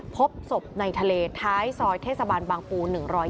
พบศพในทะเลท้ายซอยเทศบาลบางปู๑๒